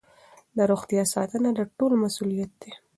د روغتیا ساتنه د ټولو مسؤلیت دی.